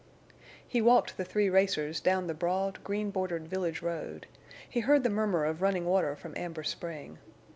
He walked the three racers down the broad, green bordered village road. He heard the murmur of running water from Amber Spring.